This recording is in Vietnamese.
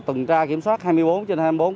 tuần tra kiểm soát hai mươi bốn trên hai mươi bốn